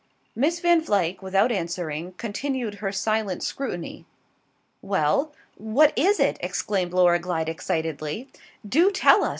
Miss Van Vluyck, without answering, continued her silent scrutiny. "Well, what is it?" exclaimed Laura Glyde excitedly. "Do tell us!"